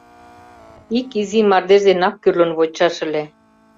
Ик изи мардеж денак кӱрлын вочшаш ыле.